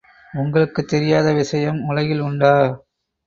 உங்களுக்குத் தெரியாத விஷயம் உலகில் உண்டா?